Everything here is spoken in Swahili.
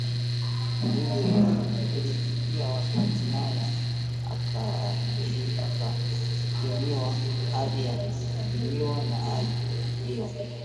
hivyo, ilifikia wakati naye akakimwa hadi ya kukimwa na hali hiyo